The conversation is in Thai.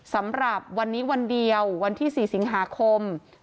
สำหรับวันนี้วันเดียววันที่๔สิงหาคม